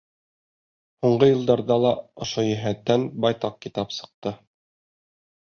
Һуңғы йылдарҙа ла ошо йәһәттән байтаҡ китап сыҡты.